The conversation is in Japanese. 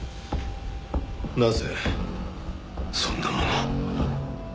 なぜそんなものを？